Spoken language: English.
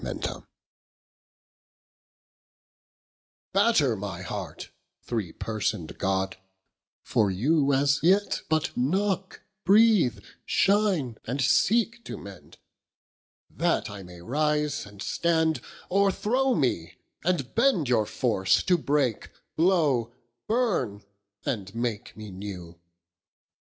XIV Batter my heart, three person'd God; for, you As yet but knocke, breathe, shine, and seeke to mend, That I may rise, and stand, o'erthrow mee, and bend Your force, to breake, blowe, burn and make me new.